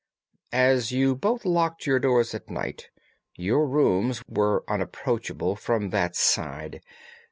"As you both locked your doors at night, your rooms were unapproachable from that side.